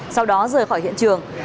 sau đó rời khỏi hiện trường